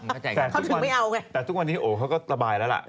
แต่เขาถึงไม่เอาไงแต่ทุกวันนี้โอ้เขาก็ระบายแล้วล่ะ